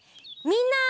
みんな！